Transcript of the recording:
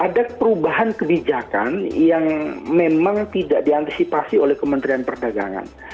ada perubahan kebijakan yang memang tidak diantisipasi oleh kementerian perdagangan